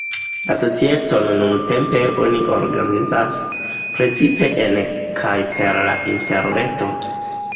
La societon nuntempe oni organizas precipe en kaj per la interreto.